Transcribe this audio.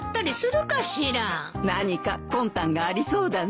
何か魂胆がありそうだね。